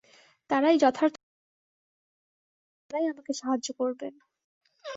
তাঁরাই যথার্থ সাহায্য করতে পারেন, আর তাঁরাই আমাকে সাহায্য করবেন।